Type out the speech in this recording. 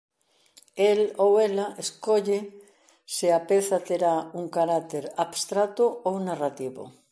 El ou ela escolle se a peza terá un carácter abstracto ou narrativo.